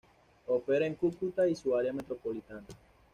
Opera en Cúcuta y su área metropolitana.